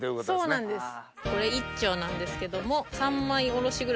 そうなんです。